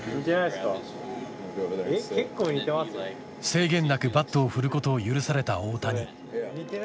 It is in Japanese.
制限なくバットを振ることを許された大谷。